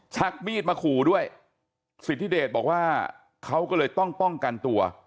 ชักมีดมาขู่ด้วยสิทธิเดชบอกว่าเขาก็เลยต้องป้องกันตัว